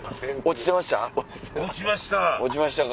落ちました。